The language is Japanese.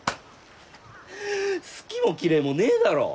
好きも嫌いもねえだろ。